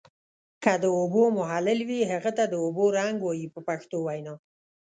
که د اوبو محلل وي هغه ته د اوبو رنګ وایي په پښتو وینا.